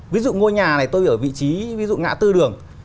ví dụ ngôi nhà này tôi ở vị trí ví dụ ngã tư đường